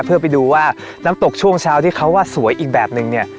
เพื่อไปดูว่าน้ำตกช่วงเช้าที่เขาว่าสวยอีกแบบนึงเนี่ย